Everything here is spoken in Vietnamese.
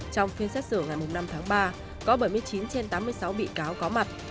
trong phiên xét xử ngày năm tháng ba có bảy mươi chín trên tám mươi sáu bị cáo có mặt